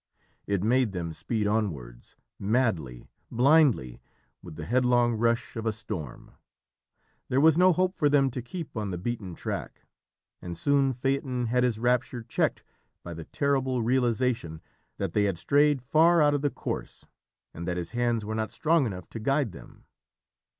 it made them speed onwards, madly, blindly, with the headlong rush of a storm. There was no hope for them to keep on the beaten track, and soon Phaeton had his rapture checked by the terrible realisation that they had strayed far out of the course and that his hands were not strong enough to guide them.